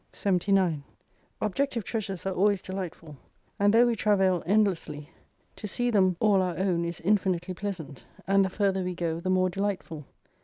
79 Objective treasures are always delightful : and though we travail endlessly, to see them all our own *34 is infinitely pleasant : and the further we go the more delightful.